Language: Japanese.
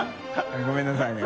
ごめんなさいね